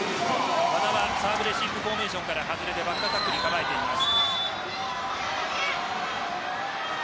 古賀はサーブレシーブフォーメーションから外れてバックアタックに構えています。